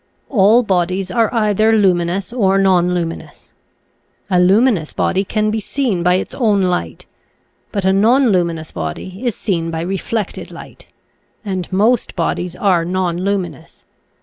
All bodies are either luminous or nonlumin ous. A luminous body can be seen by its own light, but a nonluminous body is seen by re flected light, and most bodies are nonluminous.